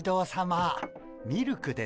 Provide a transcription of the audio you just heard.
ミルクです。